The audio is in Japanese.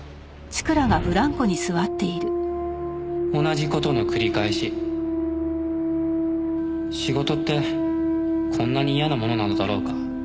「同じ事の繰り返し」「仕事ってこんなに嫌なものなんだろうか」